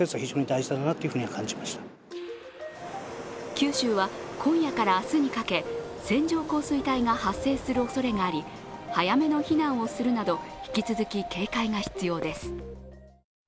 九州は今夜から明日にかけ、線状降水帯が発生するおそれがあり、早めの避難をするなど引き続き警戒が必要です。